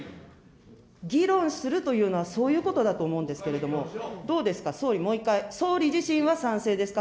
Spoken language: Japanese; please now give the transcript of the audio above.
議論するというのはそういうことだと思うんですけれども、どうですか、総理、もう一回、総理自身は賛成ですか。